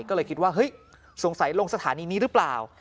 ก็เลยคิดว่าเฮ้ยสงสัยลงสถานีนี้หรือเปล่า